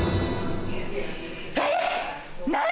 えっ！？